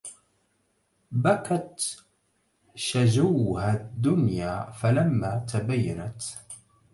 بكت شجوها الدنيا فلما تبينت